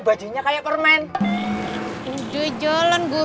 bahkan ga bakal kayak kayak pils scales vaih